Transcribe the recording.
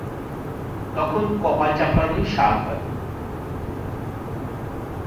তখন কপাল চাপড়ানোই সার হয়।